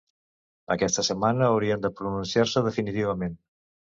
Aquesta setmana haurien de pronunciar-se definitivament.